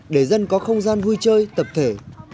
để dân có không gian vui chơi tập thể